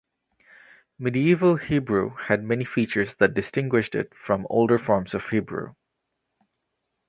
Medieval Hebrew had many features that distinguished it from older forms of Hebrew.